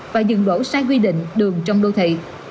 và dừng đổ sai quy định đường trong đô thị